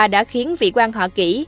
đã khiến vị quan họ kỷ